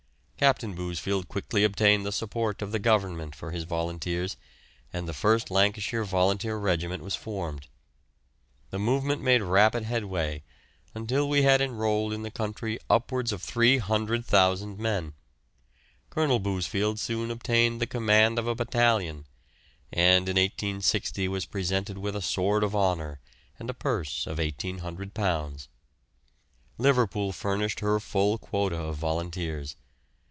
Captain Bousfield quickly obtained the support of the Government for his volunteers, and the 1st Lancashire Volunteer Regiment was formed. The movement made rapid headway, until we had enrolled in the country upwards of 300,000 men. Colonel Bousfield soon obtained the command of a battalion, and in 1860 was presented with a sword of honour and a purse of £1,800. Liverpool furnished her full quota of volunteers.